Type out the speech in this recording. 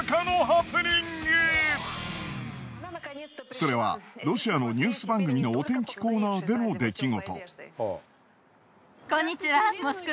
それはロシアのニュース番組のお天気コーナーでの出来事。